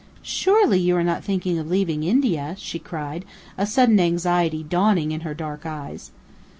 "Surely you are not thinking of leaving India?" she cried, a sudden anxiety dawning in her dark eyes.